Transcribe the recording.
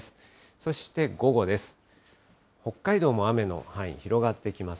そして午後です。